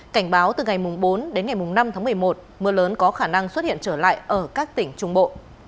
cảnh báo từ ngày bốn đến ngày năm tháng một mươi một mưa lớn có khả năng xuất hiện trở lại ở các tỉnh trung bộ